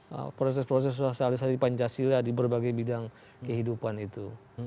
nah itu adalah proses proses sosialisasi pancasila di berbagai bidang kehidupan itu